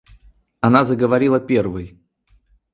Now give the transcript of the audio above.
Она заговорила первой.